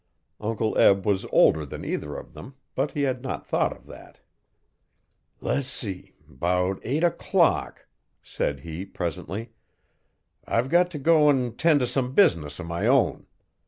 Uncle Eb was older than either of them but he had not thought of that. 'Le's see; 's about eight o clock,' said he, presently. 'I've got t'go an' ten' to some business o' my own.